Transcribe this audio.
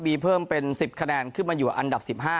มีเพิ่มเป็น๑๐คะแนนขึ้นมาอยู่อันดับ๑๕